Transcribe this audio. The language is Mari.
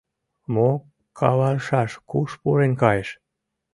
Мо каваршаш, куш пурен кайыш?